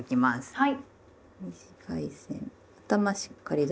はい。